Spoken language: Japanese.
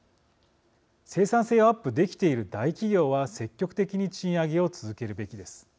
生産性をアップできている大企業は積極的に賃上げを続けるべきです。